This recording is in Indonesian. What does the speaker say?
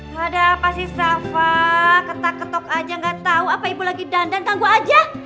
pada apa sih sava ketak ketok aja nggak tahu apa ibu lagi dandang tangguh aja